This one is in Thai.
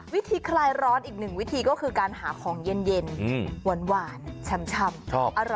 คลายร้อนอีกหนึ่งวิธีก็คือการหาของเย็นหวานชำ